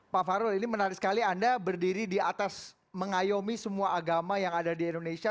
pak farul ini menarik sekali anda berdiri di atas mengayomi semua agama yang ada di indonesia